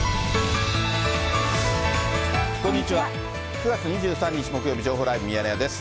９月２３日木曜日、情報ライブミヤネ屋です。